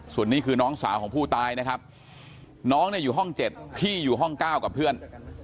ส่วนนี้คือน้องสาวของผู้ตายนะครับน้องเนี่ยอยู่ห้อง๗พี่อยู่ห้อง๙กับเพื่อน